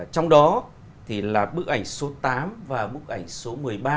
trong đó là bức ảnh số tám và bức ảnh số một mươi ba